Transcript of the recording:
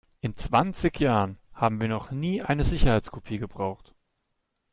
In zwanzig Jahren haben wir noch nie eine Sicherheitskopie gebraucht.